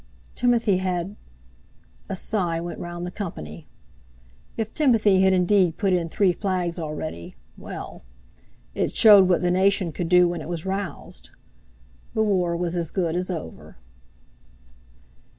Timothy had...! A sigh went round the company. If Timothy had indeed put in three flags already, well!—it showed what the nation could do when it was roused. The war was as good as over.